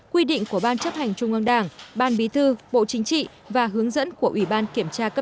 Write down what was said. quy định của ban chấp hành trung ương đảng ban bí thư bộ chính trị và hướng dẫn của ubkc